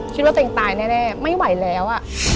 คิดว่าตัวเองตายแน่ไม่ไหวแล้ว